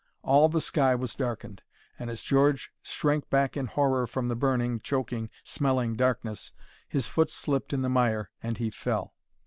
All the sky was darkened, and as George shrank back in horror from the burning, choking, smelling darkness, his foot slipped in the mire, and he fell.